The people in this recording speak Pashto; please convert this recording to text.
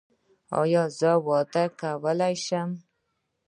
ایا زه واده کولی شم؟